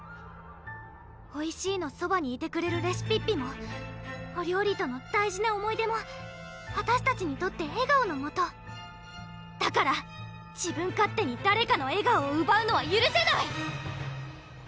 おいしいのそばにいてくれるレシピッピもお料理との大事な思い出もあたしたちにとって笑顔のもとだから自分勝手に誰かの笑顔をうばうのはゆるせない！